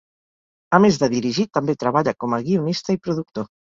A més de dirigir, també treballa com a guionista i productor.